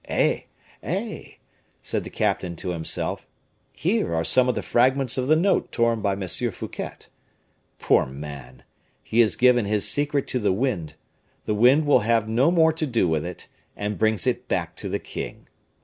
"Eh! eh!" said the captain to himself, "here are some of the fragments of the note torn by M. Fouquet. Poor man! he has given his secret to the wind; the wind will have no more to do with it, and brings it back to the king.